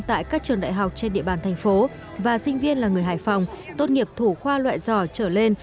tại các trường đại học trên địa bàn thành phố và sinh viên là người hải phòng tốt nghiệp thủ khoa loại giỏi trở lên